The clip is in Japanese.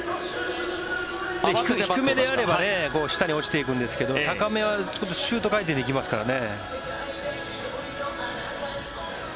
低めであれば下に落ちていくんですけど高めはシュート回転で来ますからね。